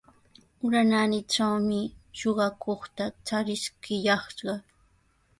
Ura naanitrawmi suqakuqta chariskiyashqa.